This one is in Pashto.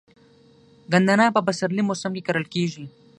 ګندنه په پسرلي موسم کې کرل کیږي.